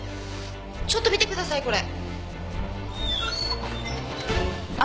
ちょっと見てくださいこれ。